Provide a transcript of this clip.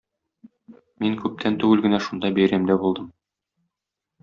Мин күптән түгел генә шунда бәйрәмдә булдым.